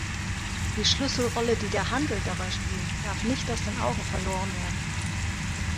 Die Schlüsselrolle, die der Handel dabei spielt, darf nicht aus den Augen verloren werden.